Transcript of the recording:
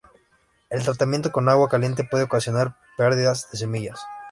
El tratamiento con agua caliente puede ocasionar perdidas de semillas.